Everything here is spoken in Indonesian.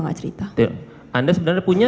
gak cerita anda sebenarnya punya